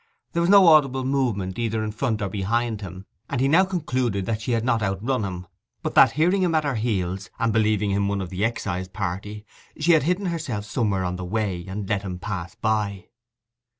There was no audible movement either in front or behind him, and he now concluded that she had not outrun him, but that, hearing him at her heels, and believing him one of the excise party, she had hidden herself somewhere on the way, and let him pass by.